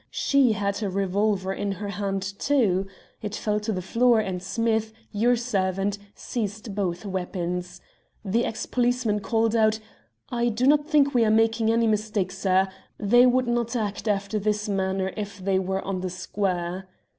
She had a revolver in her hand too. It fell to the floor, and Smith, your servant, seized both weapons. "The ex policeman called out 'I do not think we are making any mistake, sir. They would not act after this manner if they were on the square.'